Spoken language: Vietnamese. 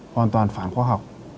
hoàn toàn phản khoa học